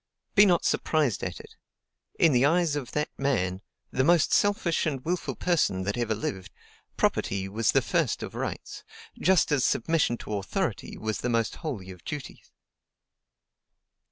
Be not surprised at it: in the eyes of that man, the most selfish and wilful person that ever lived, property was the first of rights, just as submission to authority was the most holy of duties.